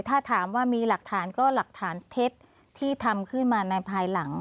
ถ้าถามว่ามีหลักฐานก็หลักฐานเท็จที่ทำขึ้นมาในภายหลัง